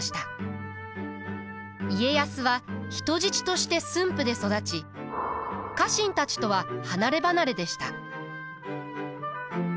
家康は人質として駿府で育ち家臣たちとは離れ離れでした。